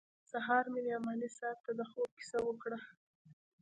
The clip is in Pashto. سهار مې نعماني صاحب ته د خوب کيسه وکړه.